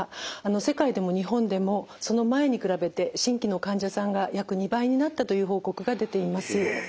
世界でも日本でもその前に比べて新規の患者さんが約２倍になったという報告が出ています。